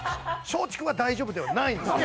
「松竹が大丈夫」ではないんですよ。